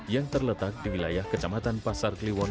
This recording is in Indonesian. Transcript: yang terletak di wilayah kecamatan pasar kliwon